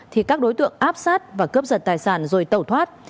thì các đối tượng áp sát và cướp giật tài sản rồi tẩu thoát